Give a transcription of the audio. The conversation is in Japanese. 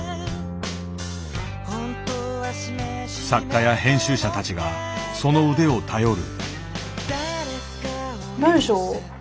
作家や編集者たちがその腕を頼る。